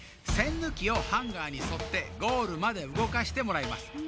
せんぬきをハンガーにそってゴールまでうごかしてもらいます。